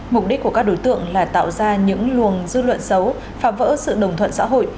mục đích của các đối tượng là tạo ra những luồng dư luận xấu phá vỡ sự đồng thuận xã hội